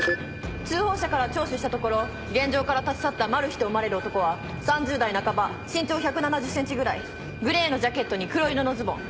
通報者から聴取したところ現場から立ち去ったマルヒと思われる男は３０代半ば身長１７０ｃｍぐらいグレーのジャケットに黒色のズボン。